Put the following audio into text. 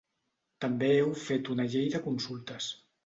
També heu fet una llei de consultes.